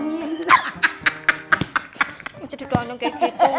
gak bisa duduk anung kayak gitu